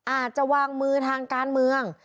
อาจจะวางมือทางการเมือง